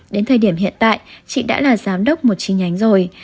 đến thời điểm hiện tại chị đã là giám đốc một chi nhánh rồi